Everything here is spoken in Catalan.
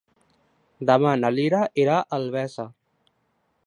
Demà na Lia irà a Albesa.